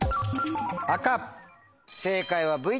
「赤」。